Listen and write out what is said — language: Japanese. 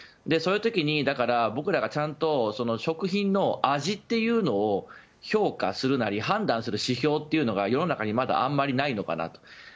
そういう時に僕らがちゃんと食品の味というのを評価するなり判断する指標というのが世の中にまだあまりないのかなと。